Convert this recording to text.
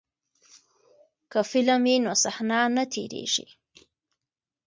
که فلم وي نو صحنه نه تیریږي.